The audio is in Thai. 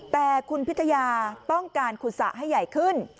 แต่คุณพิทยาต้องการขุดสะให้ใหญ่ขึ้น